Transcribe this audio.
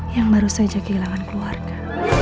yang baru saja kehilangan keluarga